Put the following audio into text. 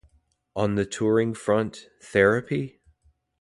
On the touring front, Therapy?